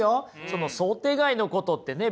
その想定外のことってね